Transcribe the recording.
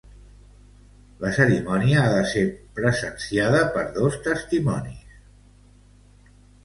La cerimònia ha de ser presenciada per dos testimonis musulmans.